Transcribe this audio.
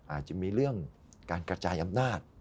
อาจจะมีเรื่องการกระจายอำนาจ